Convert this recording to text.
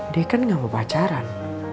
dia kan gak mau pacaran